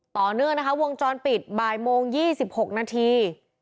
ต่อเนื่องนะคะวงจรปิดบ่ายโมง๒๖นาที